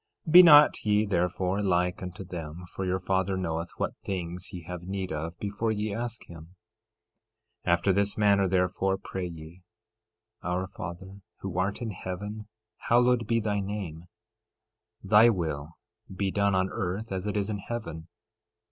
13:8 Be not ye therefore like unto them, for your Father knoweth what things ye have need of before ye ask him. 13:9 After this manner therefore pray ye: Our Father who art in heaven, hallowed be thy name. 13:10 Thy will be done on earth as it is in heaven.